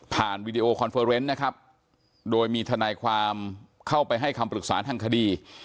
วีดีโอคอนเฟอร์เนสนะครับโดยมีทนายความเข้าไปให้คำปรึกษาทางคดี